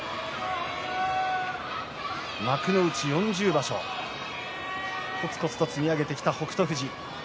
幕内４０場所、こつこつと積み上げてきた北勝富士。